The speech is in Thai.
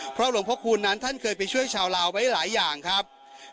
เพราะหลวงพระคูณนั้นท่านเคยไปช่วยชาวลาวไว้หลายอย่างครับ